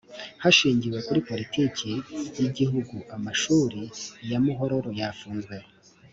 hashingiwe kuri politiki y’igihugu amashuli ya muhororo yafunzwe